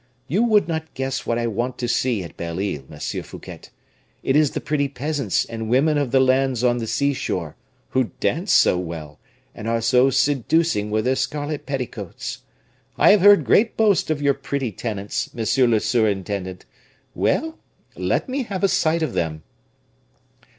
You would not guess what I want to see at Belle Isle, Monsieur Fouquet; it is the pretty peasants and women of the lands on the sea shore, who dance so well, and are so seducing with their scarlet petticoats! I have heard great boast of your pretty tenants, monsieur le surintendant; well, let me have a sight of them."